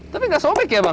tapi tidak sobek ya bang